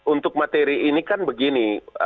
untuk materi ini kan begini